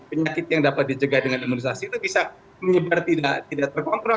penyakit yang dapat dicegah dengan imunisasi itu bisa menyebar tidak terkontrol